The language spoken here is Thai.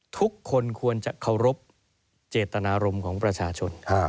ทุกคนควรจะเคารพเจตนารมณ์ของประชาชน